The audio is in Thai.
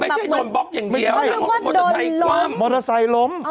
อ๋อไม่ใช่โดนบล็อกอย่างเดียวเขาเรียกว่าโดนล้มมอเตอร์ไซค์ล้มอ๋อ